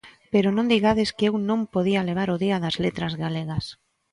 Pero non digades que eu non podía levar o día das Letras Galegas.